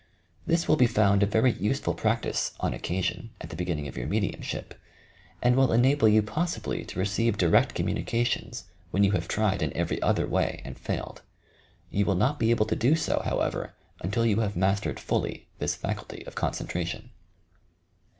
This will be found a very use ful practice, on occasion, at the beginning of your mediumship, and will enable you possibly to receive di rect communications when you have tried in every other way and failed. You will not be able to do so, however, until you have mastered fully this faculty of concen tration.